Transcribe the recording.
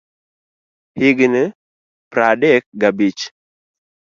Higni pradek ga abich.